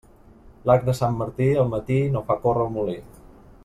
L'arc de Sant Martí al matí no fa córrer el molí.